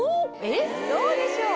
どうでしょう？